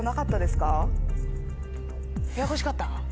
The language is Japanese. ややこしかった？